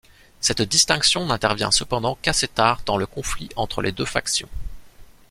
Cette distinction n'intervient cependant qu'assez tard dans le conflit entre les deux factions.